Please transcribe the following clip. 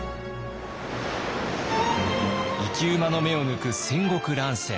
生き馬の目を抜く戦国乱世。